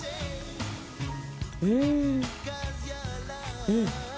うんうん！